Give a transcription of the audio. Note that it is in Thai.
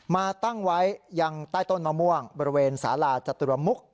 มาตั้งไว้ยังใต้ต้นมะม่วงบริเวณสาลาจตุรมุก